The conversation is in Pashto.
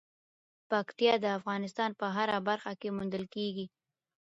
پکتیا د افغانستان په هره برخه کې موندل کېږي.